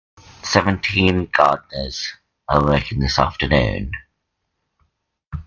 Seventeen gardeners are working this afternoon.